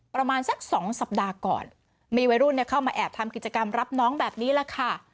ประมาณสักสองสัปดาห์ก่อนมีวัยรุ่นเข้ามาแอบทำกิจกรรมรับน้องแบบนี้แหละค่ะ